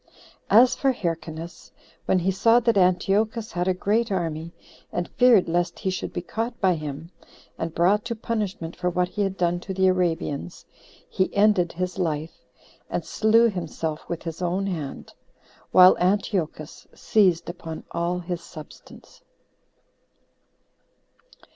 As for Hyrcanus, when he saw that Antiochus had a great army, and feared lest he should be caught by him, and brought to punishment for what he had done to the Arabians, he ended his life, and slew himself with his own hand; while Antiochus seized upon all his substance.